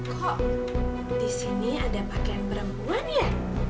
kok disini ada pakaian perempuan ya